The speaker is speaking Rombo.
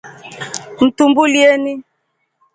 Mtuumbulyeni.